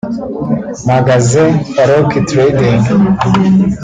Magasin Faruki Trading